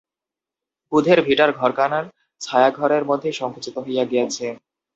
পুধের ভিটার ঘরখানার ছায়া ঘরের মধ্যেই সঙ্কুচিত হইয়া গিয়াছে।